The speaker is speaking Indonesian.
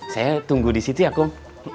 saya tunggu disitu ya kum